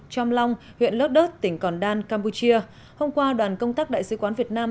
trong long huyện lớt đớt tỉnh còn đan campuchia hôm qua đoàn công tác đại sứ quán việt nam